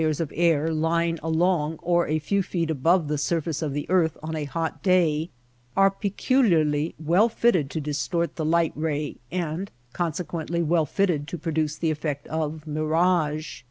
ers of air lying along or a few feet above the surface of the earth on a hot day are peculiarly well fitted to distort the light ray, and conse quently well fitted to produce the effect of mir age.